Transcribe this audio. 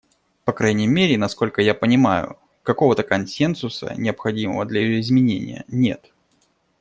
По крайней мере, насколько я понимаю, какого-то консенсуса, необходимого для ее изменения, нет.